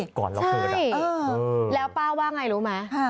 ใช่แล้วป้าว่าอย่างไรรู้ไหม